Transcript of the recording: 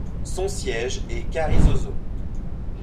Son siège est Carrizozo.